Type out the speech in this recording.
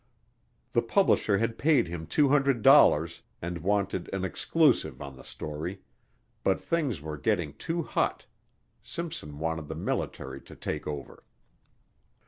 The publisher had paid him $200 and wanted an exclusive on the story, but things were getting too hot, Simpson wanted the military to take over.